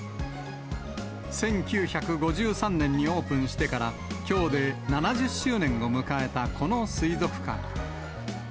１９５３年にオープンしてから、きょうで７０周年を迎えたこの水族館。